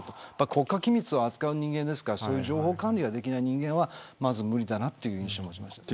国家機密を扱う人間だから情報管理ができない人間は無理だという印象を持ちました。